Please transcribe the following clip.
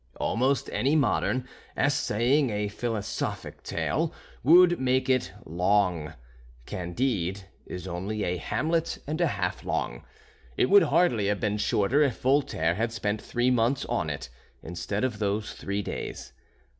Almost any modern, essaying a philosophic tale, would make it long. "Candide" is only a "Hamlet" and a half long. It would hardly have been shorter if Voltaire had spent three months on it, instead of those three days.